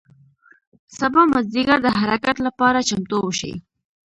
سبا مازدیګر د حرکت له پاره چمتو شئ.